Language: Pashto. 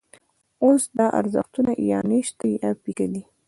اوس دا ارزښتونه یا نشته یا پیکه دي.